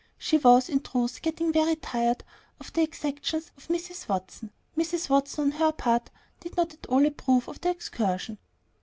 She was, in truth, getting very tired of the exactions of Mrs. Watson. Mrs. Watson, on her part, did not at all approve of the excursion.